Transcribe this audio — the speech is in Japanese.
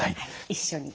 一緒に。